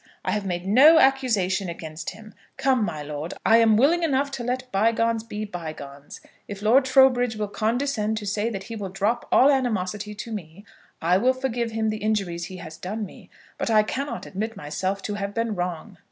I have made no accusation against him. Come, my lord, I am willing enough to let bygones be bygones. If Lord Trowbridge will condescend to say that he will drop all animosity to me, I will forgive him the injuries he has done me. But I cannot admit myself to have been wrong."